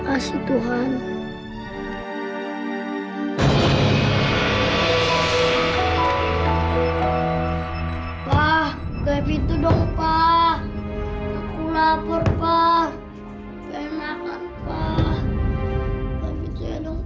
kamu tuh ya sen kebangetan banget sih jadi orang